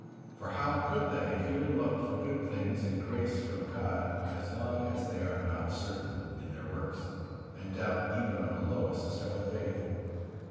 For how could they here look for good things and grace from God, as long as they are not certain in their works, and doubt even on the lowest step of faith.